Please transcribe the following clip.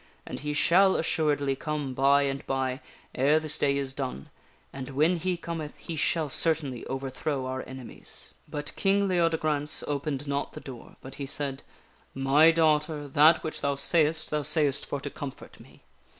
And he shall assuredly come by and by ere this day is done, and when he cometh, he shall certainly overthrow our enemies." But King Leodegrance opened not the door, but he said :" My daugh ter, that which thou sayest thou sayest for to comfort me.